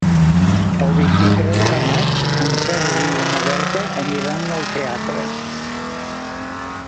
El vint-i-tres de maig en Sergi i na Berta aniran al teatre.